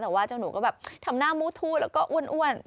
แต่ว่าเจ้าหนูก็แบบทำหน้ามู้ทูแล้วก็อ้วน